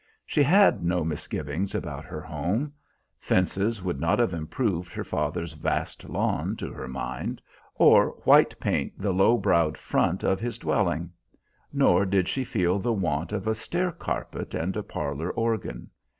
She had no misgivings about her home. Fences would not have improved her father's vast lawn, to her mind, or white paint the low browed front of his dwelling; nor did she feel the want of a stair carpet and a parlor organ.